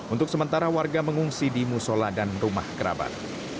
untuk sementara warga mengungsi di musola dan rumah kerabat